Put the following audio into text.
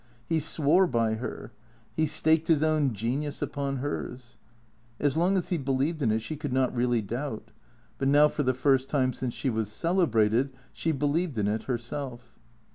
He swore by her. He staked his own genius upon hers. As long as he believed in it she could not really doubt. But now for the first time since she was celebrated she believed in it herself.